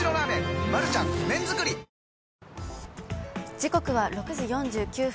時刻は６時４９分。